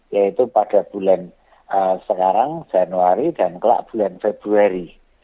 yaitu pada bulan sekarang januari dan kelak bulan februari